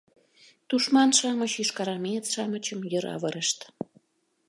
Тушман-шамыч йошкарармеец-шамычым йыр авырышт.